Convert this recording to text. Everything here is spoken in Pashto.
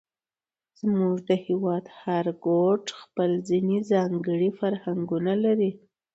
زموږ د هېواد هر ګوټ خپل ځېنې ځانګړي فرهنګونه لري،